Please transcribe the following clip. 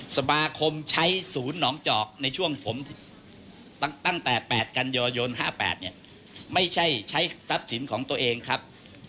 สมาคมใช้ศูนย์หนองจอกในช่วงผมตั้งแต่๘กันยายน๕๘เนี่ยไม่ใช่ใช้ทรัพย์สินของตัวเองครับ